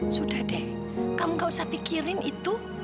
sudah deh kamu gak usah pikirin itu